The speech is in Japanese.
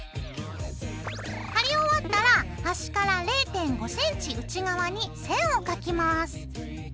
貼り終わったらはしから０．５ｃｍ内側に線を描きます。